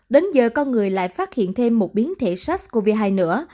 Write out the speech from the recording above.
đến giờ con người lại phát hiện thêm một biến thể sars cov hai nữa